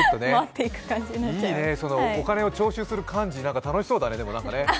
いいね、お金を徴収する幹事楽しそうだね。